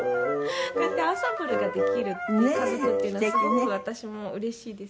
こうやってアンサンブルができる家族っていうのはすごく私もうれしいです。